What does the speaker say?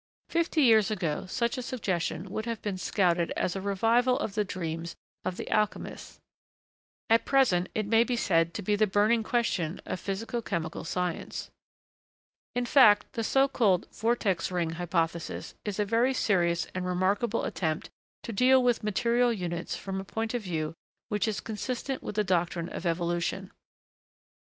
Fifty years ago, such a suggestion would have been scouted as a revival of the dreams of the alchemists. At present, it may be said to be the burning question of physico chemical science. In fact, the so called 'vortex ring' hypothesis is a very serious and remarkable attempt to deal with material units from a point of view which is consistent with the doctrine of evolution.